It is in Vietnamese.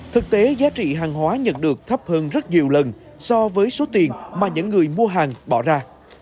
thực tế giá trị hàng hóa nhận được thấp hơn rất nhiều lần so với số tiền mà những người mua hàng bỏ ra